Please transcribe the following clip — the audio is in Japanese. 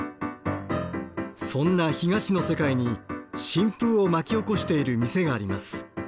そんな干菓子の世界に新風を巻き起こしている店があります。